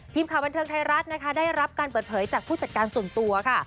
ทีมข่าวบันเทิงไทยรัฐนะคะได้รับการเปิดเผยจากผู้จัดการส่วนตัวค่ะ